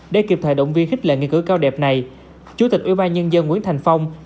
để kịp thời động viên khích lệ nghiên cứu cao đẹp này chủ tịch ubnd nguyễn thành phong